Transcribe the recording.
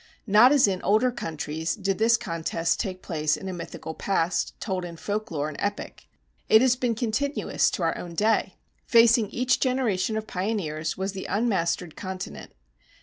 Not as in older countries did this contest take place in a mythical past, told in folk lore and epic. It has been continuous to our own day. Facing each generation of pioneers was the unmastered continent.